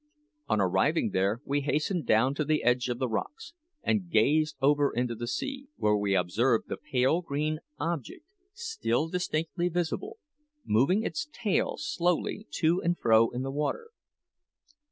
On arriving there we hastened down to the edge of the rocks and gazed over into the sea, where we observed the pale green object still distinctly visible, moving its tail slowly to and fro in the water.